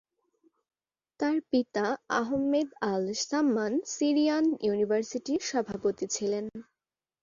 তার পিতা Ahmed Al-Samman Syrian ইউনিভার্সিটির সভাপতি ছিলেন।